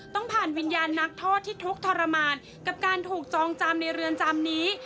ต้องผ่านวิญญาณนักโทษที่ทุกข์ทรมานกับการถูกจองจำในเรือนจำนี้